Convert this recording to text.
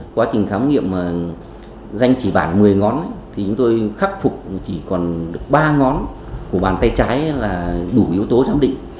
quá trình khám nghiệm danh chỉ bản một mươi ngón thì chúng tôi khắc phục chỉ còn được ba ngón của bàn tay trái là đủ yếu tố giám định